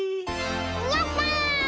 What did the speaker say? やった！